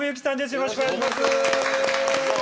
よろしくお願いします！